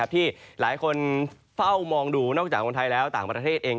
ที่หลายคนเฝ้ามองดูนอกจากเมืองไทยแล้วต่างประเทศเอง